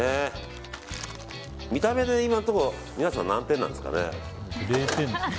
見た目で、今のところ皆さん、何点なんですかね。